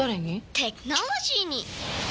テクノロジーに！